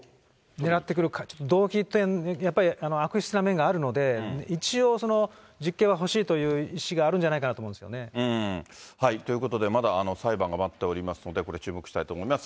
狙ってくる、動機、悪質な面があるので、一応、実刑は欲しいという意思があるんじゃないかなと思うんですよね。ということで、まだ裁判が待っておりますので、これ、注目したいと思います。